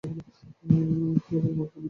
কী আবালমার্কা বুদ্ধি।